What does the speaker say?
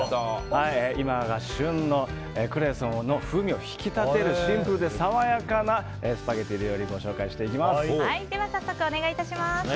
今が旬のクレソンの風味を引き立てるシンプルで爽やかなスパゲティ料理を早速、お願い致します。